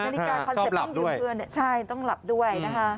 นาฬิกาคอนเซ็ปต์ต้องยืมเพื่อนใช่ต้องหลับด้วยนะคะ